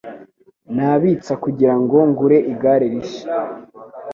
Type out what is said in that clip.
Nabitsa kugirango ngure igare rishya.